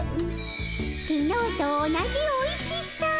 きのうと同じおいしさ。